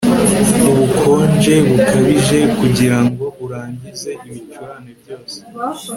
ubukonje bukabije kugirango urangize ibicurane byose